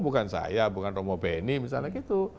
bukan saya bukan romo beni misalnya gitu